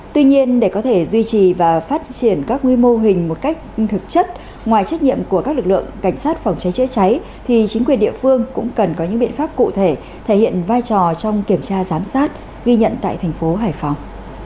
tuy nhiên để có thể duy trì và phát triển các mô hình một cách thực chất ngoài trách nhiệm của các lực lượng cảnh sát phòng cháy chữa cháy thì chính quyền địa phương cũng cần có những biện pháp cụ thể thể hiện vai trò trong kiểm tra giám sát ghi nhận tại thành phố hải phòng